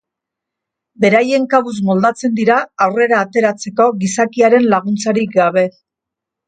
Beraien kabuz moldatzen dira aurrera ateratzeko gizakiaren laguntzarik gabe.